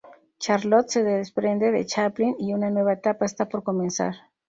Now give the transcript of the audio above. Charlot se desprende de Chaplin y una nueva etapa está por comenzar.